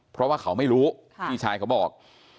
เพราะว่าเขาไม่รู้พี่ชายเขาบอก